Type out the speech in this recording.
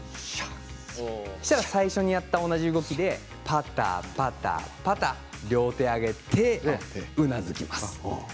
そうしたら最初にやった同じ動きで、ぱたぱたぱた両手を上げてうなずきます。